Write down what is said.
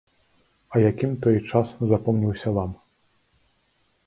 А якім той час запомніўся вам?